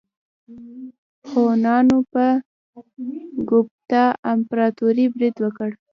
هونانو په ګوپتا امپراتورۍ برید وکړ.